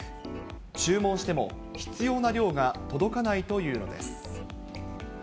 注文しても必要な量が届かないというのです。